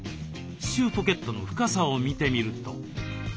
歯周ポケットの深さを見てみると。